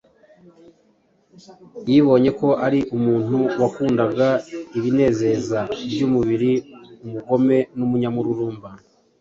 Yibonye ko ari umuntu wakundaga ibinezeza by’umubiri, umugome n’umunyamururumba.